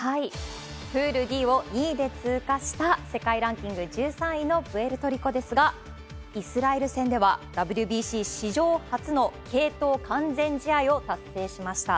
プールＤを２位で通過した、世界ランキング１３位のプエルトリコですが、イスラエル戦では、ＷＢＣ史上初の継投完全試合を達成しました。